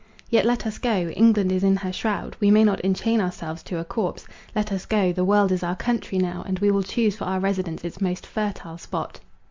Yet let us go! England is in her shroud,—we may not enchain ourselves to a corpse. Let us go—the world is our country now, and we will choose for our residence its most fertile spot.